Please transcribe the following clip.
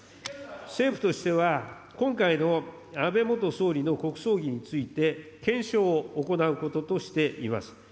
政府としては、今回の安倍元総理の国葬儀について、検証を行うこととしています。